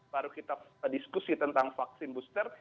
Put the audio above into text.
baru kita diskusi tentang vaksin booster